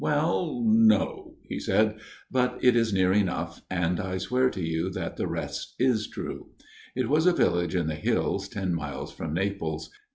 "Well, no," he said, " but it is near enough, and I swear to you that the rest is true. It was a village in the hills, ten miles from Naples.